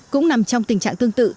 cũng nằm trong tình trạng tương tự